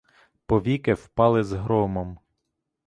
Повіки впали з громом.